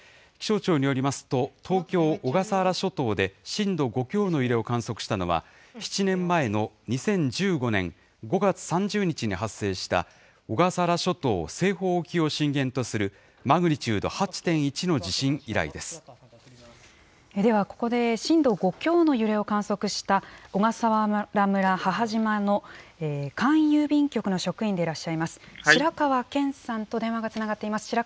気象庁によりますと、東京・小笠原諸島で、震度５強の揺れを観測したのは、７年前の２０１５年５月３０日に発生した、小笠原諸島西方沖を震源とする、マグニチュード８．１の地震以来ではここで、震度５強の揺れを観測した小笠原村母島の簡易郵便局の職員でいらっしゃいます、白川研さんと電話がつながっています。